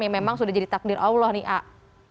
yang memang sudah jadi takdir allah nih pak